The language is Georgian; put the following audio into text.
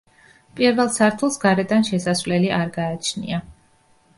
პირველ სართულს გარედან შესასვლელი არ გააჩნია.